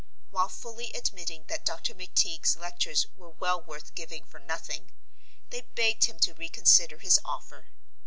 While fully admitting that Dr. McTeague's lectures were well worth giving for nothing, they begged him to reconsider his offer.